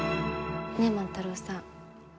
ねえ万太郎さん